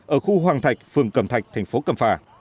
ở khu hoàng thạch phường cầm thạch thành phố cầm phà